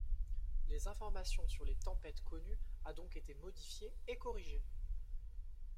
Les informations sur les tempêtes connues a donc été modifiée et corrigée.